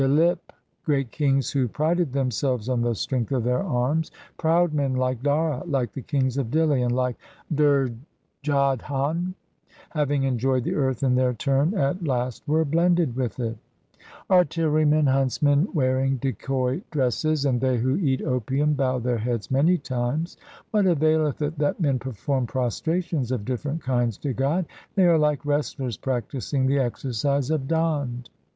COMPOSITIONS OF GURU GOBIND SINGH 273 Dilip, 1 great kings who prided themselves on the strength of their arms, Proud men like Dara, 2 like the kings of Dihli, and like Durjodhan, having enjoyed the earth in their turn at last were blended with it. Artillerymen, huntsmen wearing decoy dresses, and they who eat opium bow their heads many times. What availeth it that men perform prostrations of different kinds to God ? they are like wrestlers practising the exercise of dand.